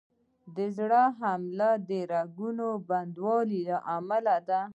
د زړه حمله د رګونو بندېدو له امله ده.